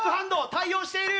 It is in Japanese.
対応している！